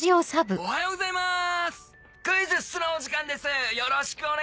おはようございます。